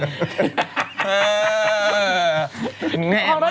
แม่มาก